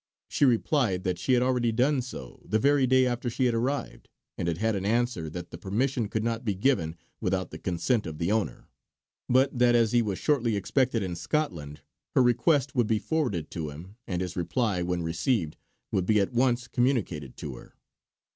She replied that she had already done so, the very day after she had arrived, and had had an answer that the permission could not be given without the consent of the owner; but that as he was shortly expected in Scotland her request would be forwarded to him and his reply when received would be at once communicated to her.